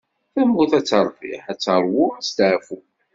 Tamurt ad teṛtiḥ, ad teṛwu asteɛfu.